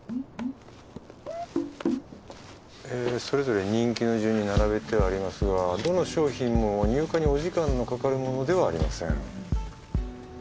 えそれぞれ人気の順に並べてはありますがどの商品も入荷にお時間のかかるものではありません。